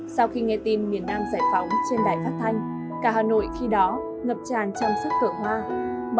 sau khi nghe tin miền nam giải phóng trên đài phát thanh cả hà nội khi đó ngập tràn trong sức cửa hoa